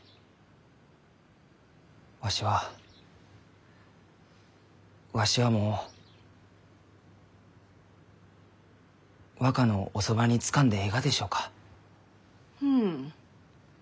わしはわしはもう若のおそばにつかんでえいがでしょうか？